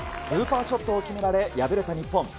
スーパーショットを決められ、敗れた日本。